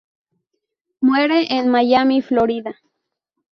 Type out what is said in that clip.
Muere en Miami, Florida.